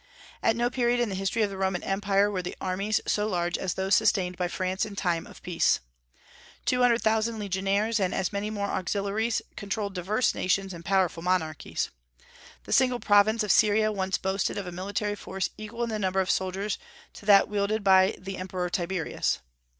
At no period in the history of the Roman empire were the armies so large as those sustained by France in time of peace. Two hundred thousand legionaries, and as many more auxiliaries, controlled diverse nations and powerful monarchies. The single province of Syria once boasted of a military force equal in the number of soldiers to that wielded by the Emperor Tiberius.